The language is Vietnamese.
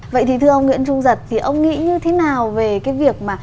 vậy thì thưa ông nguyễn trung giật thì ông nghĩ như thế nào về cái việc mà